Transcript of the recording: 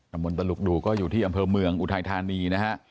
สมมติปลกก็อยู่ที่อำเภอเมืองอุทัยธานี